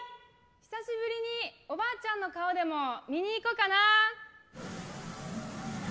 久しぶりにおばあちゃんの顔でも見に行こうかな。